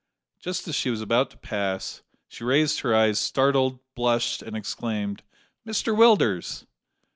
Just as she was about to pass, she raised her eyes, started, blushed, and exclaimed: "Mr Willders!"